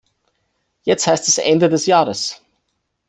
Jetzt heißt es Ende des Jahres.